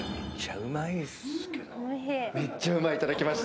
「めっちゃうまい」頂きました。